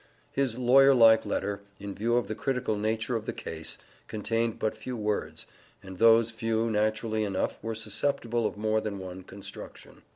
His lawyer like letter, in view of the critical nature of the case, contained but few words, and those few naturally enough were susceptible of more than one construction.